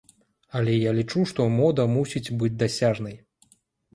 Але я лічу, што мода мусіць быць дасяжнай.